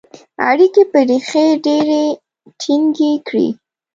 اړیکي به ریښې ډیري ټینګي کړي.